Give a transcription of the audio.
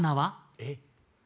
えっ？